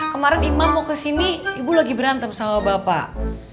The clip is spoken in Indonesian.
kemarin imam mau kesini ibu lagi berantem sama bapak